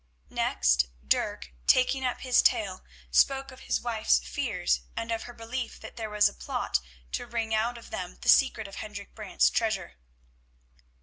Next Dirk, taking up his tale, spoke of his wife's fears, and of her belief that there was a plot to wring out of them the secret of Hendrik Brant's treasure.